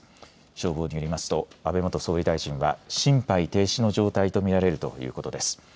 消防によりますと安倍元総理大臣は心肺停止の状態と見られるということです。